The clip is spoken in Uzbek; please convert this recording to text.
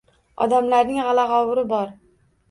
Odamlarning g‘ala-g‘ovuri bor.